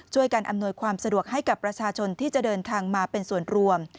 อำนวยความสะดวกให้กับประชาชนที่จะเดินทางมาเป็นส่วนรวม